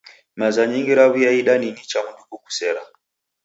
Maza nyingi raw'iaida ni nicha mndu kukusera.